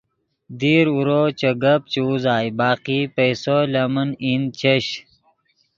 دیر اورو چے گپ چے اوزائے باقی پیسو لے من ایند چش